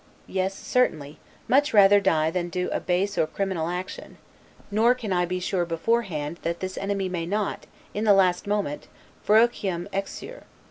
Yes, certainly, much rather die than do a base or criminal action; nor can I be sure, beforehand, that this enemy may not, in the last moment, 'ferociam exuere'.